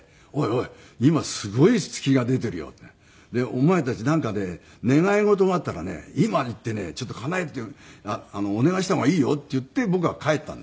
「お前たちなんかね願い事があったらね今行ってねちょっとかなえてお願いした方がいいよ」って言って僕は帰ったんです。